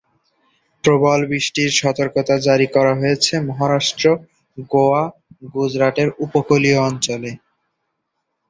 প্রবল বৃষ্টির সতর্কতা জারি করা হয়েছে মহারাষ্ট্র, গোয়া, গুজরাটের উপকূলীয় অঞ্চলে।